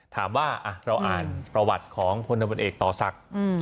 ถามว่าเราอ่านประวัติของพอตศักดิ์